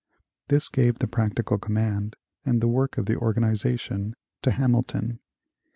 This gave the practical command and the work of the organization to Hamilton.